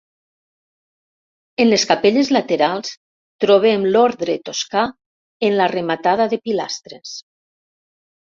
En les capelles laterals trobem l'ordre toscà en la rematada de pilastres.